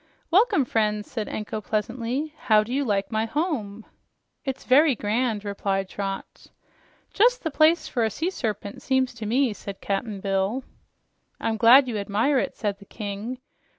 "Welcome, friends!" said Anko pleasantly. "How do you like my home?" "It's very grand," replied Trot. "Just the place for a sea serpent, seems to me," said Cap'n Bill. "I'm glad you admire it," said the King.